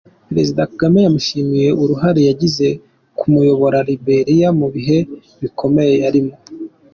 Perezida Kagame yamushimiye uruhare yagize mu kuyobora Liberia mu bihe bikomeye yarimo.